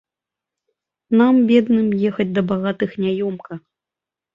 Нам, бедным, ехаць да багатых няёмка.